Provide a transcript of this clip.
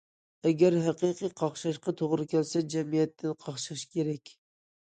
ئەگەر ھەقىقىي قاقشاشقا توغرا كەلسە، جەمئىيەتتىن قاقشاش كېرەك.